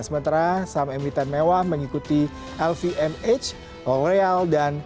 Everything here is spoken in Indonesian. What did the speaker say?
sementara saham emiten mewah mengikuti lvmh allreal dan